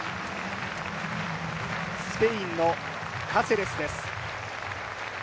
スペインのカセレスです。